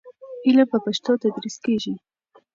علم په پښتو تدریس کېږي.